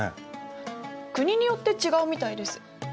国によって違うみたいです。